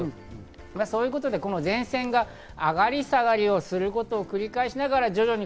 そういうことで前線が上がり下がりすることを繰り返しながら徐々に。